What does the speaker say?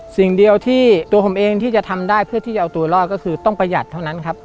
สิ่งเดียวที่ตัวผมเองที่จะทำได้เพื่อที่จะเอาตัวรอดก็คือต้องประหยัดเท่านั้นครับ